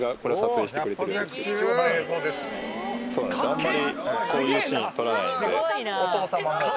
あんまり。